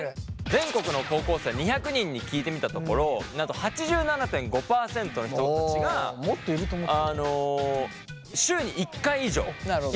全国の高校生２００人に聞いてみたところなんと８７．５％の人たちが週に１回以上イラっとすると答えたんですって。